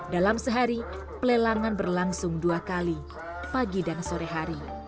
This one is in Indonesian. dalam sehari pelelangan berlangsung dua kali pagi dan sore hari